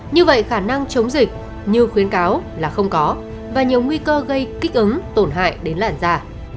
như vậy khả năng chống dịch như khuyến cáo là không có và nhiều nguy cơ gây kích ứng tổn hại đến làn da